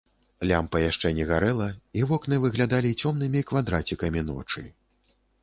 Лямпа яшчэ не гарэла, і вокны выглядалі цёмнымі квадрацікамі ночы.